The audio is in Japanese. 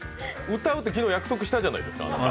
歌うって、昨日約束したじゃないですか。